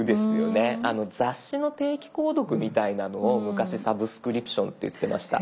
雑誌の定期購読みたいなのを昔サブスクリプションって言ってました。